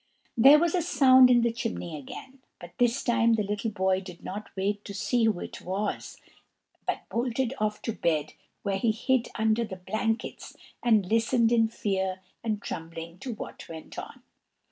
There was a sound in the chimney again, but this time the little boy did not wait to see what it was, but bolted off to bed, where he hid under the blankets and listened in fear and trembling to what went on.